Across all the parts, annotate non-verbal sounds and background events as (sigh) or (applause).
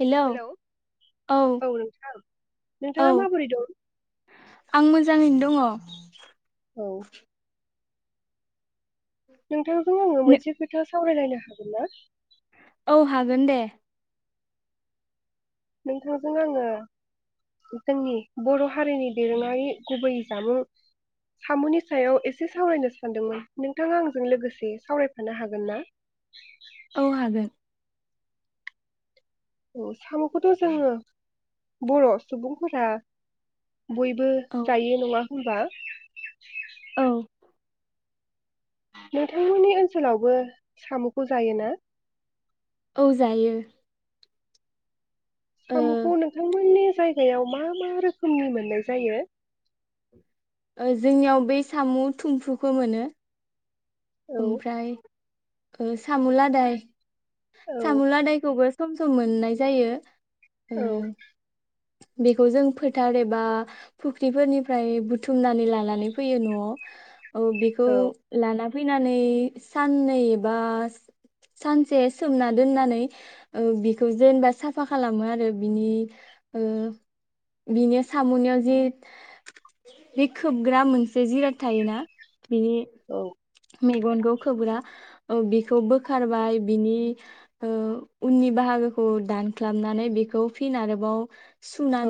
Hello औ औ नोंथाङा माबोरै दं आं मोजाङैनो दङ। (inaudible) औ (inaudible) नोंथां खौ आङो दङ मोनसे खोथा सावरायलायनो हागोन ना? औ हागोन दे। नोंथांजों आङो जोंनि बर' हारिनि दोरोङारि गुबै जामुं सामुनि सायाव एसे सावरायनो सानदोंमोन नोंथाङा आंजों लोगोसे सावरायफानो हागोन ना? औ हागोन औ साम'खौथ' जोङो बर' सुबुंफोरा बयबो औ जायो नङा होमबा? औ नोंथांमोननि ओनसोलावबो साम'खौ जायोना? औ जायो। ओ सामुखौ नोंथांमोननि जायगायाव मा मा रोखोमनि मोननाय जायो? ओ जोंनियाव बै सामु थुमफ्रुखौ मोनो। औ ओमफ्राय ओ सामुलादाय औ सामु लादायखौबो सम सम मोननाय जायो। ओ औ बेखौ जों फोथार एबा फुख्रिफोरनिफ्राय बुथुमनानै लानानै फैयो न'आव। औ बेखौ औ लाना फैनानै साननै एबा सानसे सोमना दोननानै ओ बिखौ जेनबा साफा खालामो आरो बिनि ओ बिनि सम'नियाव जि बे खोबग्रा मोनसे जिराद थायोना? बिनि औ मेगनखौ खोबग्रा औ बिखौ बोखारबाय बिनि ओ उननि बाहागोखौ दान ख्लाबनानै बेखौ फिन आरोबाव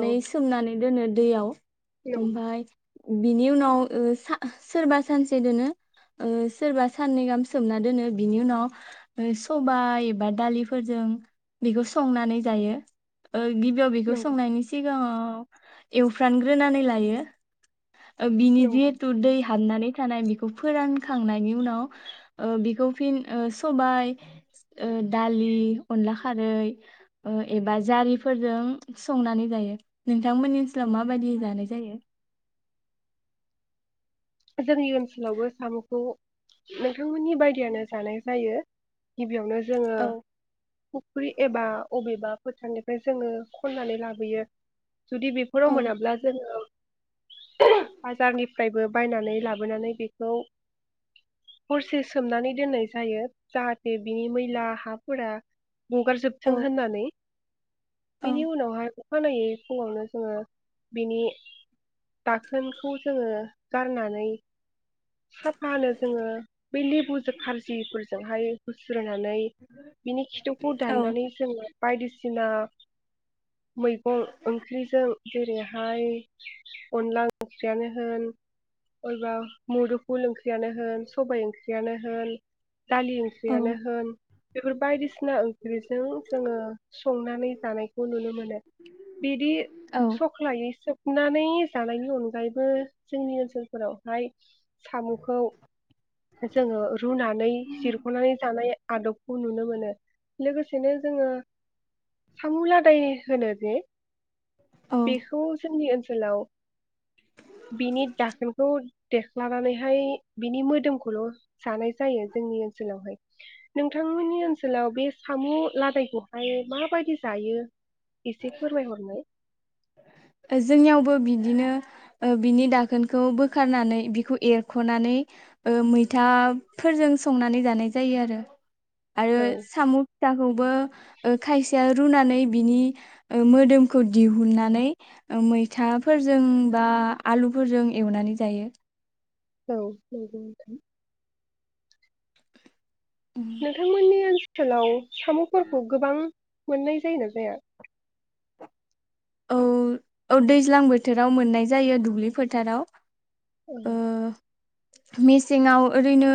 औ सोमनानै दोनो दैयाव नंगौ ओमफाय बिनि उनाव ओ सा सोरबा सानसे दोनो। ओ सोरबा साननै गाहाम सोमना दोनो। बिनि उनाव ओ सबाय एबा दालिफोरजों बेखौ संनानै जायो। ओ गिबियाव नंगौ संनायनि सिग गाङाव एवफ्रानग्रोनानै लायो। ओ बिनि नंगौ जिहेथु दै हाबनानै थानाय बेखौ फोरानखांनायनि उनाव ओ बिखौ फिन ओ सबाय ओ दालि अनला खारै ओ एबा जारिफोरजों संनानै जायो नों थांमोननि ओनसोलाव माबायदि जानाय जायो जोंनि ओनसोलावबो साम'खौ नोंथांमोननि बायदियानो जानाय जायो गिबियावनो जोङो औ फुख्रि एबा अबेबा फोथारनिफ्राय जोङो खननानै लाबोयो। जुदि बेफोराव औ मोनाब्ला जोङो (unintelligible) बाजारनिफ्रायबो बायनानै लाबोनानै बेखौ हरसे सोमनानै दोननाय जायो जाहाथे बिनि मैला हाफोरा औ गगारजोबथों होननानै औ बिनि उनावहाय खानायै फुङावनो जोङो बिनि दाखोनखौ जोङो गारनानै साफानो जोङो बै लेबुजों खारजिफोरजोंहाय (unintelligible) (unintelligible) नानै बिनि खिथुखौ औ दाननानै जोङो बायदिसिना मैगं ओंख्रिजों जेरै हाय अनला ओंख्रियानो होन अयबा मुदुफुल ओंख्रियानो होन सबाय ओंख्रियानो होन दालि औ ओंख्रियानो होन बेफोर बायदिसिना ओंख्रिजों जोङो संनानै जानायखौ नुनो मोनो बिदि औ सख्लायैसो नानै जानायनि अन गायबो ओनसोलफोरावहाय साम'खौ जोङो रुनानै जिरख'नानै जानाय आदबखौ नुनो मोनो लोगोसेनो जोङो सामु लादाय होनो जे औ बेखौ जोंनि ओनसो सोलाव बिनि दाखोनखौ देख्लानानैहाय बिनि मोदोमखौल' जानाय जायो जोंनि ओनसोलावहाय। नोंथांमोननि ओनसोलाव बे साम' लादायखौहाय माबायदि जायो? एसे फोरमायहरनाय जोंनियावबो बिदिनो ओ बिनि दाखोनखौ बोखारनानै बिखौ एरख'नानै ओ मैथाफोरजों संनानै जानाय जायो आरो। आरो औ साम' फिथाखौबो ओ खायसेया रुनानै बिनि ओ मोदोमखौ दिहुननानै ओ मैथाफोरजों बा आलुफोरजों एवनानै जायो। औ नोंगौ नोंथां। नोंथांमोननि ओनसो सोलाव साम'फोरखौ गोबां मोननाय जायो ना जाया औ औ दैज्लां बोथोराव मोननाय जायो दुब्लि फोथाराव ओम ओ मेसेङाव ओरैनो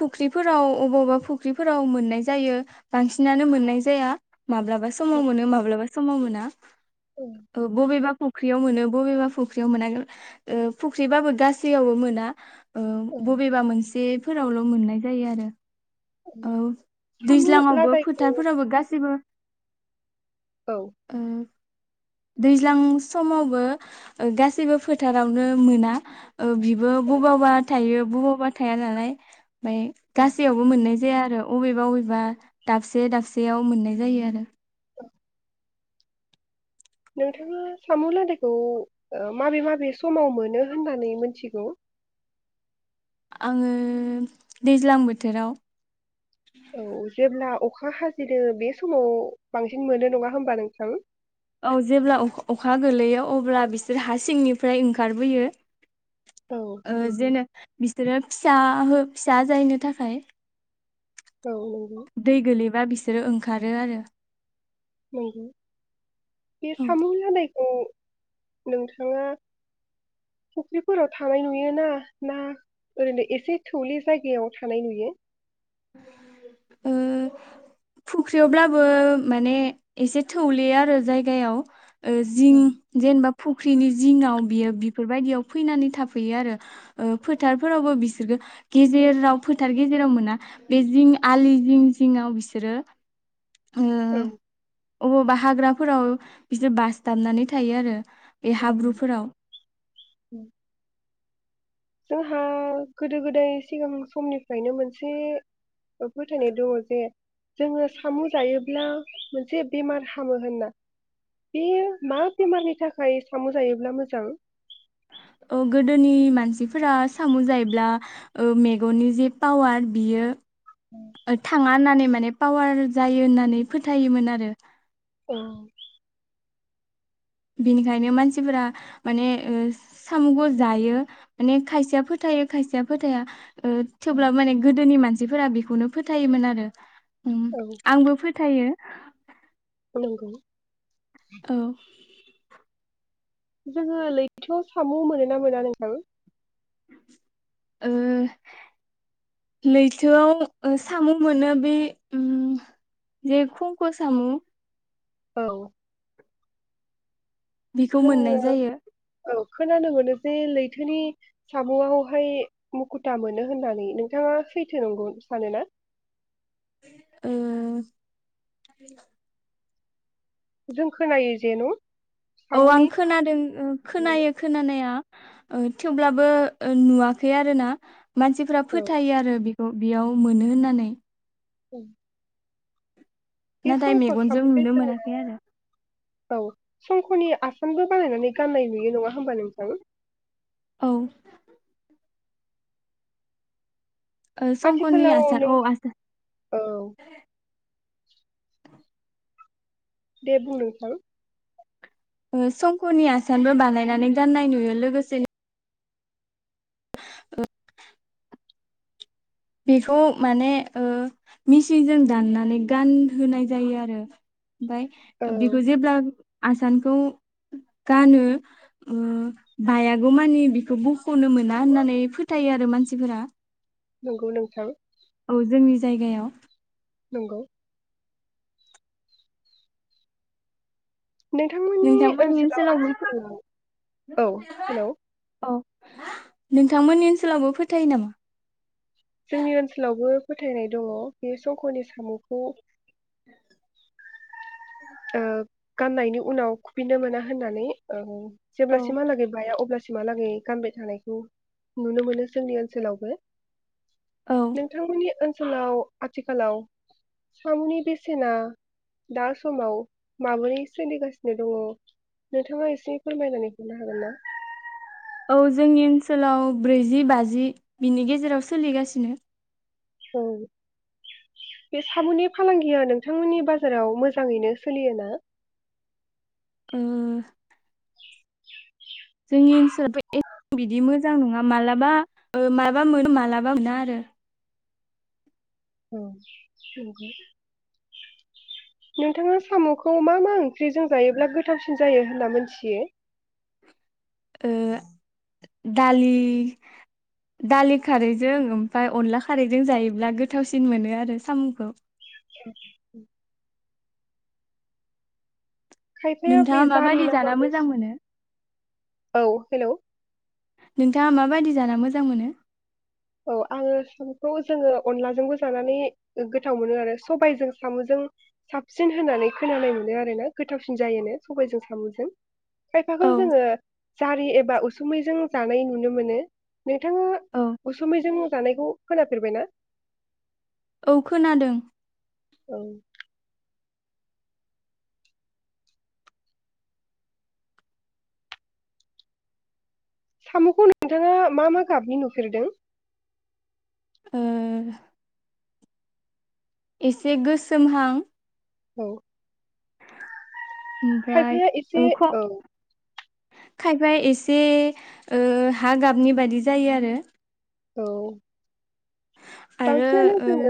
फुख्रिफोराव अबावबा फुख्रिफोराव मोननाय जायो बांसिनानो मोननाय जाया माब्लाबा औ समाव मोनो माब्लाबा समाव मोना औ बबेबा फुख्रियाव मोनो बबेबा फुख्रियाव मोना फुख्रिबाबो गासैयावबो मोना ओ औ बबेबा मोनसे फोरावल' मोननाय जायो आरो औ साम' दैज्लाङावबो लादायखौ फोथारफोरावबो गासैबो औ (inaudible) दैज्लां समावबो गासैबो फोथारावनो मोना बिबो बबावबा थायो बबावबा थाया नालाय ओमफ्राय औ गासैयावबो मोननाय जाया आरो अबेबा अबेबा दाबसे दाबसेयाव मोननाय जायो आरो नोंथाङा साम' लादायखौ ओ माबे माबे समाव मोनो होननानै मोनथिगौ आङो दैज्लां बोथोराव औ जेब्ला अखा अखा हाजेनो बे समाव बांसिन मोनो नङा होमबा नोंथां औ जेब्ला अ अखा गोलैयो अब्ला बिसोर हा सिंनिफ्राय ओंखारबोयो औ ओ नंगौ जेनेबा बि सोरो फिसा हो फिसा जायनो थाखाय औ नंगौ बा बिसोरो ओंखारो आरो नंगौ बे औ साम' लादायखौ औ नोंथाङा फुख्रिफोराव थानाय नुयोना ना ओरैनो एसे थौले जायगायाव थानाय नुयो ओ फुख्रियावब्लाबो माने एसे थौले आरो जायगायाव। ओ जिं जेनेबा फु ख्रिनि जिङाव बियो बेफोरबायदियाव फैनानै थाफैयो आरो फोथारफोरावबो बिसोरखो गेजेराव फोथार गेजेराव मोना। बे जिं आलि जिं जिंआव बिसोरो औ ओ अबाव बा हाग्राफोराव बिसोर बासथाबनानै थायो आरो। बे नंगौ। हाब्रुफोराव। जाहा गोदो गोदाय सिगां समनिफ्रायनो मोनसे फोथायनाय दङ जे जोङो सामु जायोब्ला मोनसे बेमार हामो होनना बे मा बेमारनि थाखाय सामु जायोब्ला मोजां? औ गोदोनि मानसिफोरा साम जायोब्ला ओ मेगननि जे पावार बियो थाङा होननानै माने पावार जायो होननानै फोथायोमोन आरो। औ बेनिखायनो मानसिफोरा माने ओ-सामुखौ जायो माने खायसेया फोथायो खायसेया फोथाया। ओ थेवब्लाबो माने गोदोनि मानसि सिफोरा बेखौनो फोथायोमोन आरो। औ आंबो फोथायो। नंगौ औ जोङो लैथोआव साम मोनोना मोना नोंथां? ओ लैथोआव ओ-सामु मोनो बे उम जे खंख सामु। औ बेखौ जोङो मोननाय जायो औ खोनानो मोनो जे लैथोनि सामुआवहाय मुखुथा मोनो होननानै नोंथाङा सैथो नंगौ सानो ना? ओ जों खोनायो जेन- औ आं खोनादों खोनायो खोनानाया। ओ थेवब्लाबो नुवाखै आरो ना। मानसिफ्रा औ फोथायो आरो बे बेयाव मोनो होननानै। औ नाथाय मेगनजों साम'खौ नुनो जोङो मोनाखै आरो औ संकनि आसानबो बानायनानै गाननाय नुयो नङा होमबा नोंथां। औ ओ संकनि आथिखालाव आसान नों औ आसान औ दे बुं नोंथां ओ संकनि आसानबो बानायनानै गाननाय नुयो लोगोसेनो ओ बेखौ माने ओ-मिसिनजों दाननानै गानहोनाय जायो आरो। ओमफाय औ बेखौ जेब्ला आसानखौ गानो ओ बायागौ मानि बिखौ बखनो मोना होननानै फोथायो आरो मानसिफोरा नंगौ नोंथां औ जोंनि जायगायाव नंगौ नोंथांमोननि ओनसोलाव आथिखालाव औ हेल'। औ नोंथांमोननि ओनसोलावबो फोथायो नामा। जोंनि ओनसोलावबो। फोथायनाय दङ बे संकनि साम'खौ। औ (unintelligible) गाननायनि उनाव खुफिननो मोना होननानै औ। औ जेब्लासिमहालागै बाया अब्ला। सिमहालागै गानबाय थानायखौ नुनो मोनो जोंनि ओनसोलावबो। औ नोंथांमोननि (unintelligible) आथिखालाव सामनि बे (unintelligible) सेना दा समाव माबोरै सोलिगासिनो दङ नोंथाङा एसे फोरमायनानै हरनो हागोन ना। औ जोंनि ओनसोलाव ब्रैजि बाजि बिनि गेजेराव सोलिगासिनो औ बे साबुननि फालांगिया नोंथांमोननि बाजाराव मोजाङैनो सोलिय ना ओ जोंनि ओनसोलावथ' ए बिदि मोजां नङा मा्लाबा माबा मोनो मा्लाबा मोना आरो (unintelligible) औ। नोंथाङा साम'खौ मा मा ओंख्रिजों जायोब्ला गोथावसिन जायो होनना मिथियो। दालि दालि खारैजों ओमफ्राय अनला खारैजों जायोब्ला गोथावसिन मोनो आरो साम'खौ। (inaudible) खायफाया बे नोंथाङा जारि माबायदि जाना मोजां नामसि मोनो औ हेलौ (unintelligible) नोंथाङा माबायदि जाना मोजां मोनो। औ आङो साम'खौ जोङो अनलाजोंबो जानानै गोथाव मोनो आरो सबायजों साम'जों साबसिन होननानै खोनानाय मोनो आरोना गोथावसिन जायोनो सबायजों साम'जों। खायफाखौ औ जोङो जारि एबा उसुमैजों। जानाय नुनो मोनो नोंथाङ (unintelligible) औ। उसुमैजों जानायखौ खोनाफेरबाय ना। औ खोनादों। औ। साम'खौ नोंथाङा मा मा गाबनि नुफेरदों। ओ। एसे गोसोमहां। औ ओमफ्राय खायफाया एसे औ खायफा एसे हा गाबनि बायदि जायो आरो। औ। आरो ओ फांसनानोसङ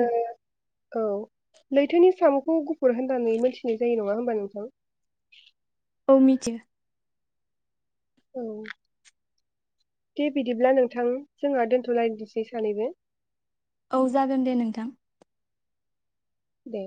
औ लैथोनि साम'खौ गुफुर होननानै मोनथिनाय जायो नङा होमबा नोंथां औ मिथि औ दे बिदिब्ला नोंथां जोंहा दोन्थ'लायसै सानैबो औ जागोन दे नोंथां दे